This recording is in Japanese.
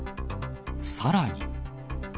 さらに。